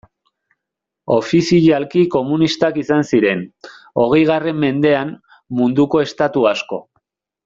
Ofizialki komunistak izan ziren, hogeigarren mendean, munduko estatu asko.